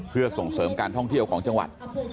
เพื่อส่งเสริมการท่องเที่ยวของจังหวัด